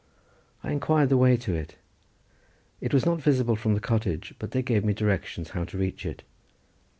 I inquired the way to it. It was not visible from the cottage, but they gave me directions how to reach it.